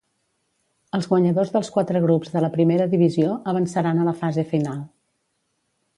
Els guanyadors dels quatre grups de la primera divisió avançaran a la fase final.